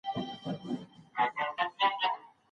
کمپيوټر بلاګ جوړوي.